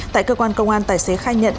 tại cơ quan công an tài xế khai nhận